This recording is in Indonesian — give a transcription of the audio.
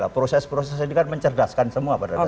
proses proses ini kan mencerdaskan semua